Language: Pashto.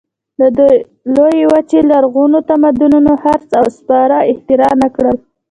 د دې لویې وچې لرغونو تمدنونو څرخ او سپاره اختراع نه کړل.